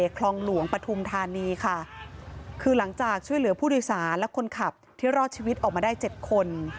คลองหลวงปฐุมธานีค่ะคือหลังจากช่วยเหลือผู้โดยสารและคนขับที่รอดชีวิตออกมาได้เจ็ดคน